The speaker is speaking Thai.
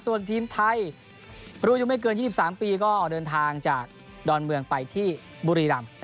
ส่วนทีมไทยรุ่นอายุไม่เกิน๒๓ปีก็เดินทางจากดอนเมืองไปที่บุรีรำ